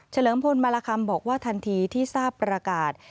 เลิมพลมารคำบอกว่าทันทีที่ทราบประกาศ